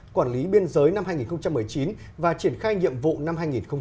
quản lý biên giới năm hai nghìn một mươi chín và triển khai nhiệm vụ năm hai nghìn hai mươi